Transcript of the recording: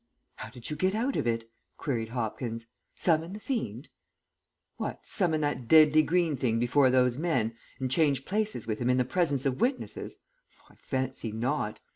"How did you get out of it?" queried Hopkins. "Summon the fiend?" "What, summon that deadly green thing before those men, and change places with him in the presence of witnesses? I fancy not.